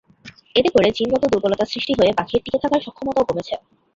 এতে করে জিনগত দুর্বলতা সৃষ্টি হয়ে বাঘের টিকে থাকার সক্ষমতাও কমছে।